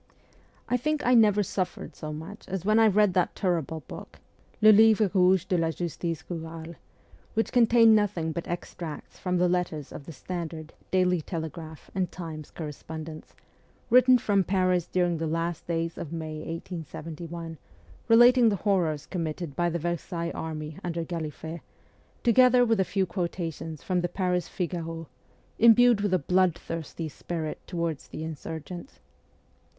I think I never suffered so much as when I read that terrible book, ' Le Livre Kouge de la Justice Kurale,' which contained nothing but extracts from the letters of the Standard, Daily Telegraph, and Times corre spondents, written from Paris during the last days of May 1871, relating the horrors committed by the Versailles army under Galliffet, together with a few quotations from FIRST JOURNEY ABROAD 71 the Paris Figaro, imbued with a bloodthirsty spirit towards the insurgents.